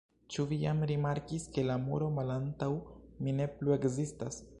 Ĉu vi jam rimarkis ke la muro malantaŭ mi ne plu ekzistas?